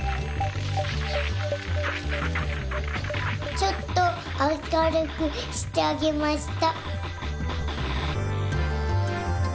ちょっとあかるくしてあげました。